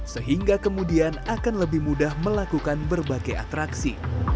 sehingga kemudian akan lebih mudah melakukan berbagai atraksi